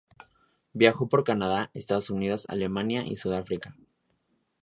Viajó por Canadá, Estados Unidos, Alemania y Sudáfrica.